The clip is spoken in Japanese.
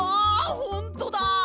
ほんとだ！